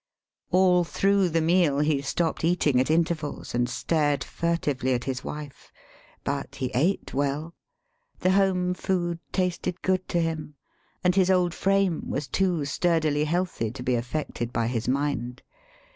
All through the meal he stopped eating at intervals, and stared furtively at his wife; but he ate well. The home food tasted good to him, and his old frame was too sturdily healthy to be affected by his mind.